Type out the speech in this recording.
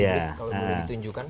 kalau boleh ditunjukkan